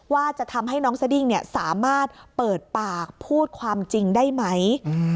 ว่าจะทำให้น้องสดิ้งสามารถเปิดปากพูดความจริงได้ไหม